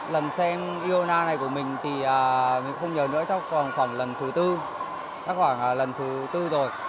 lần xem iona này của mình thì mình không nhớ nữa khoảng lần thứ tư rồi